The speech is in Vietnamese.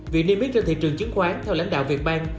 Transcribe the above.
việc niêm yết trên thị trường chứng khoán theo lãnh đạo việt bank